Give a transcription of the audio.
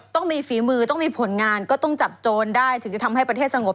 ต้องมีฝีมือต้องมีผลงานก็ต้องจับโจรได้ถึงจะทำให้ประเทศสงบ